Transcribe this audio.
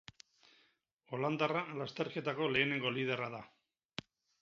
Holandarra lasterketako lehenengo liderra da.